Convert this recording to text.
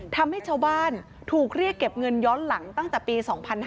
ทำให้ชาวบ้านถูกเรียกเก็บเงินย้อนหลังตั้งแต่ปี๒๕๕๙